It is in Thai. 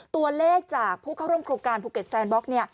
ตัวเลขจากผู้เข้าร่วมโครงการภูเก็ตแซนบล็อกเนี่ย